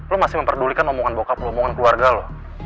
lo masih memperdulikan omongan bokap lo omongan keluarga lo